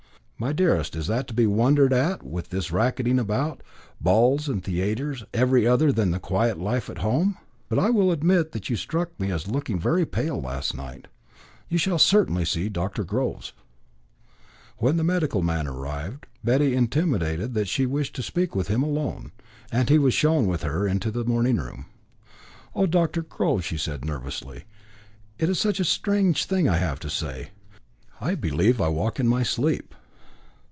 "My dearest, is that to be wondered at with this racketing about; balls and theatres very other than the quiet life at home? But I will admit that you struck me as looking very pale last night. You shall certainly see Dr. Groves." When the medical man arrived, Betty intimated that she wished to speak with him alone, and he was shown with her into the morning room. "Oh, Dr. Groves," she said nervously, "it is such a strange thing I have to say. I believe I walk in my sleep."